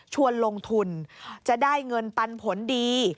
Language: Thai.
ชวนลงทุนจะได้เงินปันผลดี